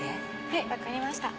はいわかりました。